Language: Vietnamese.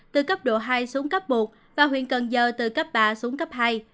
từ cấp độ hai xuống cấp một và huyện cần giờ từ cấp ba xuống cấp hai